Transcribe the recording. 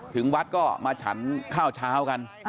ถึงวัดก็มาฉันข้าวเช้ากัน